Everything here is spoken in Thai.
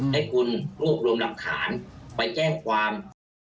ให้คุณรวบรวมหลักฐานไปแจ้งความ